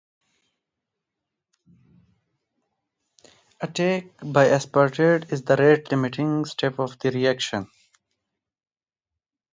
Attack by aspartate is the rate-limiting step of the reaction.